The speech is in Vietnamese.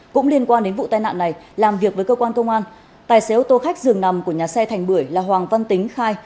cũng liên quan đến vụ tai nạn này làm việc với cơ quan công an tài xế ô tô khách dường nằm của nhà xe thành bưởi là hoàng văn tính khai